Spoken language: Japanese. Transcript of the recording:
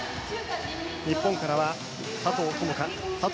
日本からは佐藤友花・佐藤